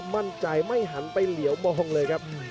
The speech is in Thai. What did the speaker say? มั่นใจไม่หันไปเหลียวมองเลยครับ